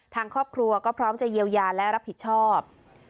ทางครอบครัวก็พร้อมจะเยียวยาและรับผิดชอบ